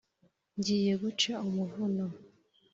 Ngiye guca umuvuno